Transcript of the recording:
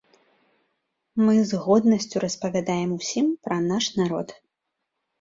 Мы з годнасцю распавядаем усім пра наш народ!